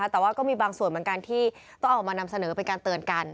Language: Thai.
แต่ว่าก็มีบางส่วนเหมือนกันที่ต้องออกมานำเสนอเป็นการเตือนกัน